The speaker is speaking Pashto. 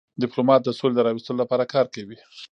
ډيپلومات د سولي د راوستلو لپاره کار کوي.